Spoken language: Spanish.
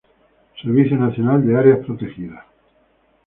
Servicio Nacional de Áreas Protegidas